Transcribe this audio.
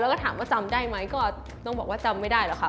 แล้วก็ถามว่าจำได้ไหมก็ต้องบอกว่าจำไม่ได้หรอกค่ะ